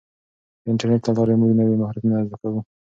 د انټرنیټ له لارې موږ نوي مهارتونه زده کوو.